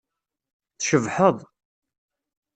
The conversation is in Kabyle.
Tcebḥeḍ.